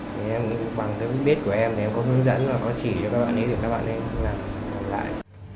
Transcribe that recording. thử biết của em thì em có hướng dẫn có chỉ cho các bạn ấy thì các bạn ấy làm lại